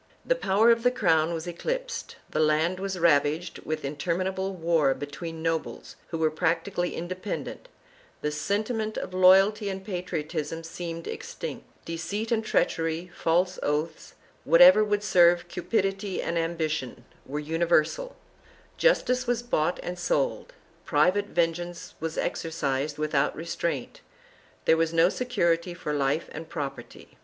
The power of the crown was eclipsed; the land was ravaged with interminable war between nobles who were prac tically independent; the sentiment of loyalty and patriotism seemed extinct; deceit and treachery, false oaths — whatever would serve cupidity and ambition — were universal; justice was bought and sold; private vengeance was exercised without restraint ; there was no security for life and property.